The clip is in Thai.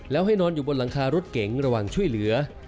แล้วให้นอนอยู่บนหลังคารถเก๋งระหว่างช่วยเหลือ